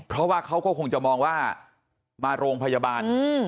เพราะว่าเขาก็คงจะมองว่ามาโรงพยาบาล